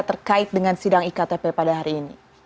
terkait dengan sidang iktp pada hari ini